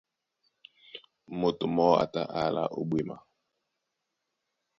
Moto mɔɔ́ a tá á alá ó ɓwěma.